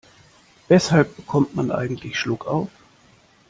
Weshalb bekommt man eigentlich Schluckauf?